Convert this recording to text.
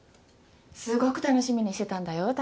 すごく楽しみにしてたんだよ